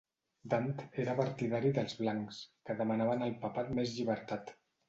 Dant era partidari dels blancs, que demanaven al papat més llibertat.